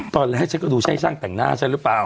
ตอนแรกเช่นก็ดูช่ายช่างแต่งหน้าใช่หรือเปล่า